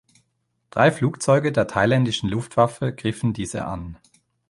Drei Flugzeuge der thailändischen Luftwaffe griffen diese an.